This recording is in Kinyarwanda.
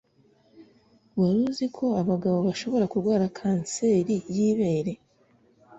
Wari uzi ko abagabo bashobora kurwara kanseri yibere